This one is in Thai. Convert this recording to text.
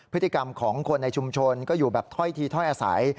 พฤติกรรมของคนในชุมชนก็อยู่แบบถ้อยทีถ้อยอาศัย